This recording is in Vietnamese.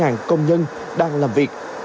gần bảy mươi công nhân đang làm việc